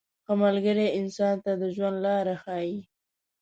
• ښه ملګری انسان ته د ژوند لاره ښیي.